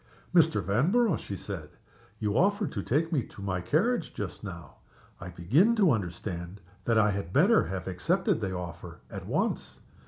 "Mr. Vanborough," she said, "you offered to take me to my carriage just now. I begin to understand that I had better have accepted the offer at once.